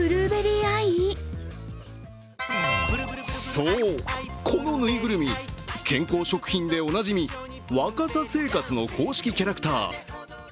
そう、このぬいぐるみ、健康食品でおなじみ、わかさ生活の公式キャラクター。